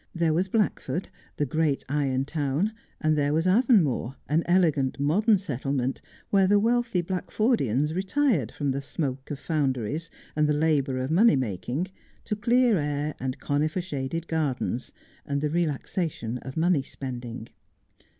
There was Blackford, the great iron town ; and there was Avonmore, an elegant modern settlement, where the wealthy Blackfordians retired from the smoke of foundries and the labour of money making, to clear air and conifer shaded gardens, and the relaxation of money spending.